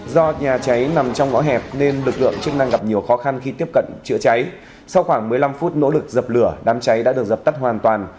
do nhà cháy nằm trong ngõ hẹp nên lực lượng chức năng gặp nhiều khó khăn khi tiếp cận chữa cháy sau khoảng một mươi năm phút nỗ lực dập lửa đám cháy đã được dập tắt hoàn toàn